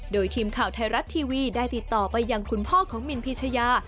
โดยทีมข่าวไทยรัฐทีวีได้ติดต่อไปยังคุณพ่อของมินพีชยา